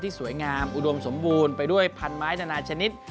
สวยงามอุดมสมบูรณ์ไปด้วยพันไม้นานาชนิด